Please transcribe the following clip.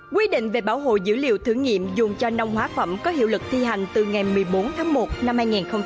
quy định về bảo hộ dữ liệu thử nghiệm dùng cho nông hóa phẩm có hiệu lực thi hành từ ngày một mươi bốn tháng một năm hai nghìn hai mươi